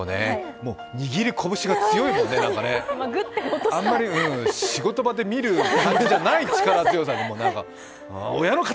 握りこぶしが強いもんね、あんまり仕事場で見る感じじゃない力強さで親の敵！